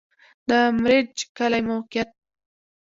د مريچ کلی موقعیت